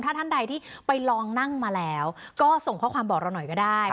ถ้าท่านใดที่ไปลองนั่งมาแล้วก็ส่งข้อความบอกเราหน่อยก็ได้